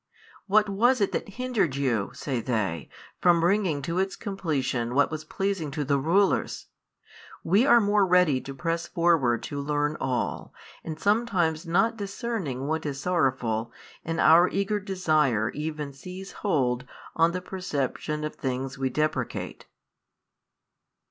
What was it that hindered you (say they) from bringing to its completion what was pleasing to the rulers? We are more ready to press forward to learn all, and sometimes not discerning what is sorrowful, in our eager desire even seize hold on the perception of things we deprecate.